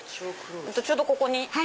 ちょうどここに。